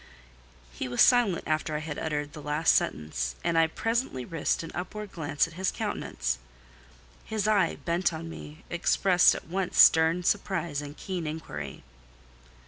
He was silent after I had uttered the last sentence, and I presently risked an upward glance at his countenance. His eye, bent on me, expressed at once stern surprise and keen inquiry.